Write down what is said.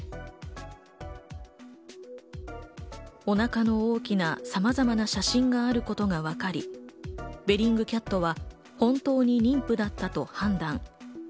お腹の大きなさまざまな写真があることがわかり、ベリングキャットは本当に妊婦だったと判断。